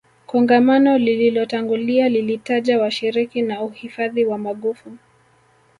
kongamano lililotangulia lilitaja washiriki wa uhifadhi wa magofu